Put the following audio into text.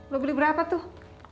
lo beli berapa tuh